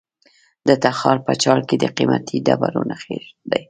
د تخار په چال کې د قیمتي ډبرو نښې دي.